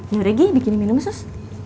yuk regi bikin minum sus